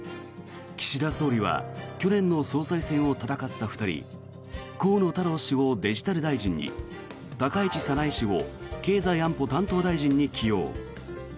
岸田総理は去年の総裁選を戦った２人河野太郎氏をデジタル大臣に高市早苗氏を経済安保担当大臣に起用。